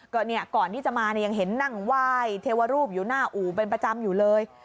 ก็เนี่ยก่อนที่จะมาเนี่ยยังเห็นนั่งไหว้เทวรูปอยู่หน้าอู่เป็นประจำอยู่เลย